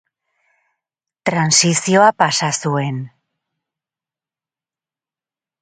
Transizioa pasa zuen.